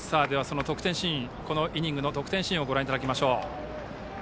このイニングの得点シーンご覧いただきましょう。